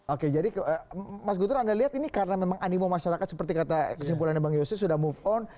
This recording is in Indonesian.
oke jadi mas gutur anda lihat ini karena memang animo masyarakat seperti kata kesimpulannya bang yose sudah move on